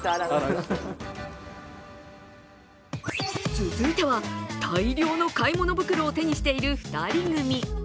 続いては、大量の買い物袋を手にしている２人組。